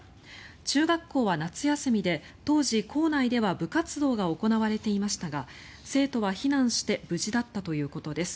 中学校は夏休みで当時、校内では部活動が行われていましたが生徒は避難して無事だったということです。